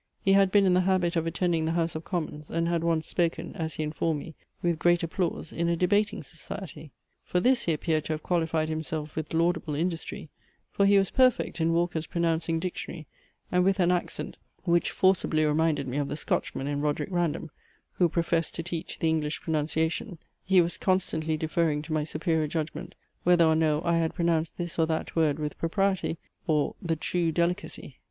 He had been in the habit of attending the House of Commons, and had once spoken, as he informed me, with great applause in a debating society. For this he appeared to have qualified himself with laudable industry: for he was perfect in Walker's Pronouncing Dictionary, and with an accent, which forcibly reminded me of the Scotchman in Roderic Random, who professed to teach the English pronunciation, he was constantly deferring to my superior judgment, whether or no I had pronounced this or that word with propriety, or "the true delicacy."